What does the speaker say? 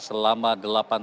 selama delapan tahun